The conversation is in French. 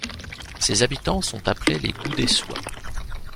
Ses habitants sont appelés les Goudessois.